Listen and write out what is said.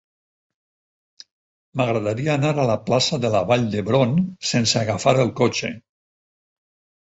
M'agradaria anar a la plaça de la Vall d'Hebron sense agafar el cotxe.